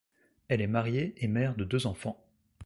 Elle est mariée et mère de deux enfants.